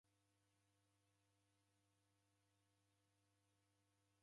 Poilwa kila ituku ja maisha.